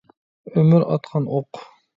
ئۆمۈر ئاتقان ئوق.